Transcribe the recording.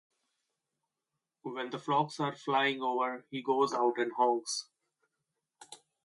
When the flocks are flying over he goes out and honks.